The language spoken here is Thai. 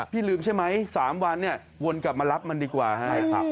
พี่ลืมใช่ไหม๓วันเนี่ยวนกลับมารับมันดีกว่าให้